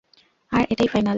আর এটাই ফাইনাল!